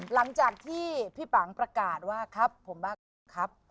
หลังจากที่พี่ปังประกาศว่าครับผมบ้ากับลูกครับ